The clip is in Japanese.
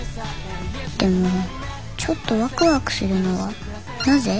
でもちょっとワクワクするのはなぜ？